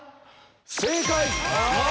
正解！